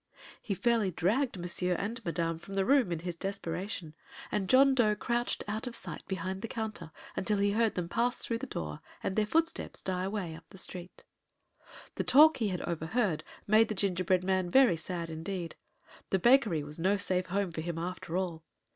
He fairly dragged Monsieur and Madame from the room in his desperation, and John Dough crouched out of sight behind the counter until he heard them pass through the door and their footsteps die away up the street. The talk he had overheard made the gingerbread man very sad indeed. The bakery was no safe home for him, after all.